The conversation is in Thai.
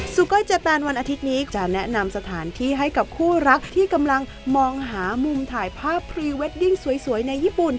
ก้อยเจแตนวันอาทิตย์นี้จะแนะนำสถานที่ให้กับคู่รักที่กำลังมองหามุมถ่ายภาพพรีเวดดิ้งสวยในญี่ปุ่น